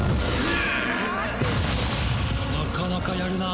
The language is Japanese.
なかなかやるな。